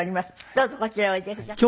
どうぞこちらへおいでください。